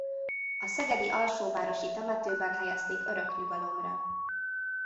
A szegedi Alsóvárosi temetőben helyezték örök nyugalomra.